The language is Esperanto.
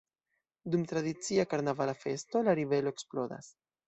Dum tradicia karnavala festo la ribelo eksplodas.